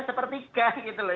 sepertiga gitu loh